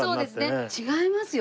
違いますよ